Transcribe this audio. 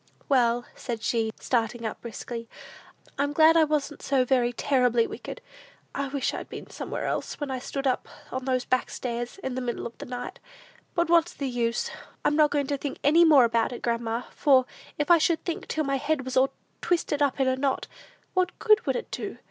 "Well," said she, starting up briskly, "I'm glad I wasn't so very terribly wicked! I wish I'd been somewhere else, when I stood on those back stairs, in the middle of the night; but what's the use? I'm not going to think any more about it, grandma; for if I should think till my head was all twisted up in a knot, what good would it do?